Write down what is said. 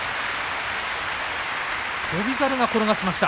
翔猿が転がしました。